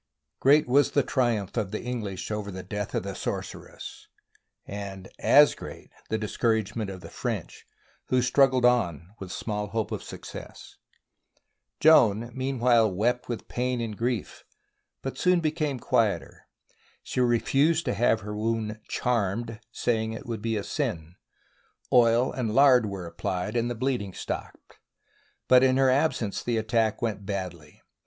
Great was the triumph of the English over the " death ': of the " sorceress," and as great the discouragement of the French, who struggled on with small hope of success. Joan meanwhile wept with pain and grief, but Joan of Arc Wounded before Orleans SIEGE OF ORLEANS soon became quieter. She refused to have her wound " charmed," saying it would be a sin. Oil and lard were applied, and the bleeding stopped. But in her absence the attack went badly.